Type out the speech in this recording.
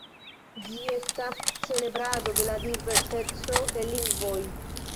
Ĝi estas celebrado de la diverseco de lingvoj.